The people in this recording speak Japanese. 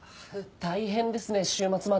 大変ですね週末まで。